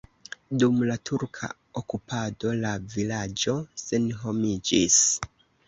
Dum la turka okupado la vilaĝo senhomiĝis.